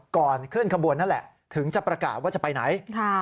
ก่อนขึ้นขบวนนั่นแหละถึงจะประกาศว่าจะไปไหน